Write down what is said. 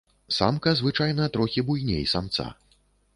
Самка звычайна трохі буйней самца.